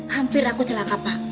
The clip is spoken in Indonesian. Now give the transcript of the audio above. hampir aku celaka pak